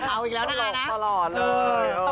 เอาอีกแล้วน่ารักนะตลอดเลย